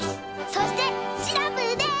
そしてシナプーです！